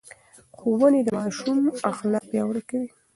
ښوونې د ماشوم اخلاق پياوړي کوي.